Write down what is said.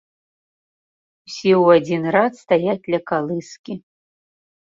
Усе ў адзін рад стаяць ля калыскі.